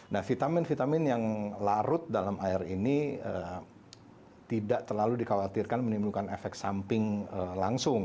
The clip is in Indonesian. nah vitamin vitamin yang larut dalam air ini tidak terlalu dikhawatirkan menimbulkan efek samping langsung